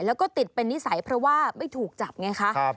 แล้วก็ติดเป็นนิสัยเพราะว่าไม่ถูกจับไงคะ